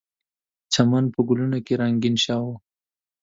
چمن په ګلونو رنګین شوی و.